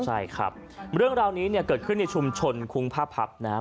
ใช่ครับเรื่องราวนี้เนี่ยเกิดขึ้นในชุมชนคุ้งผ้าพับนะครับ